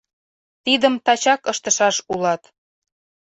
Тидым тачак ыштышаш улат.